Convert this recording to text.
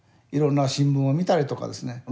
いろんな新聞を見たりとかですね